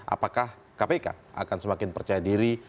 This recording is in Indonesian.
apakah kpk akan semakin percaya diri